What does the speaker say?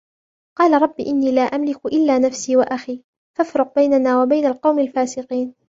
قَالَ رَبِّ إِنِّي لَا أَمْلِكُ إِلَّا نَفْسِي وَأَخِي فَافْرُقْ بَيْنَنَا وَبَيْنَ الْقَوْمِ الْفَاسِقِينَ